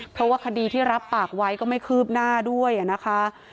เพราะว่าคดีที่รับปากไว้ก็ไม่คืบหน้าด้วยนะคะ